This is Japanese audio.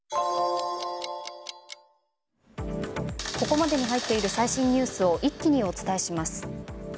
ここまでに入っている最新ニュースを一気にお伝えします。